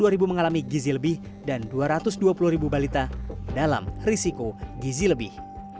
dua puluh ribu mengalami gizi lebih dan dua ratus dua puluh ribu balita dalam risiko gizi lebih